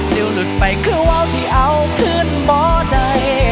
เดี๋ยวหลุดไปคือเว้าที่เอาขึ้นบ่อใด